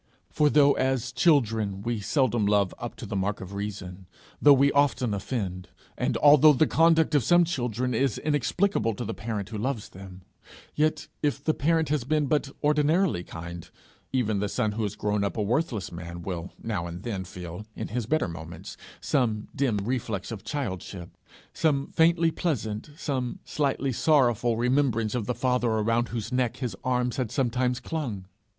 For though as children we seldom love up to the mark of reason; though we often offend; and although the conduct of some children is inexplicable to the parent who loves them; yet, if the parent has been but ordinarily kind, even the son who has grown up a worthless man, will now and then feel, in his better moments, some dim reflex of childship, some faintly pleasant, some slightly sorrowful remembrance of the father around whose neck his arms had sometimes clung.